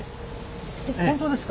本当ですか？